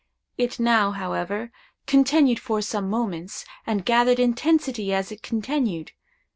It now, however, continued for some moments, and gathered intensity as it continued.